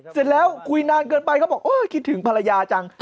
เสร็จแล้วคุยนานเกินไปเขาบอกโอ๊ยคิดถึงภรรยาจัง